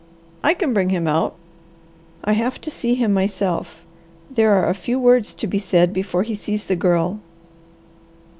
"I can bring him out." "I have to see him myself. There are a few words to be said before he sees the Girl."